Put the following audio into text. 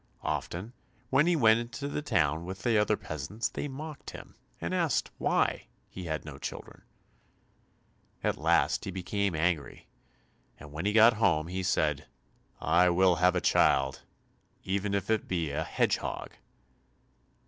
Often when he went into the town with the other peasants they mocked him and asked why he had no children. At last he became angry, and when he got home he said, "I will have a child, even if it be a hedgehog."